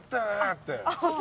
って。